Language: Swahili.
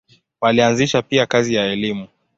Walianzisha pia kazi ya elimu.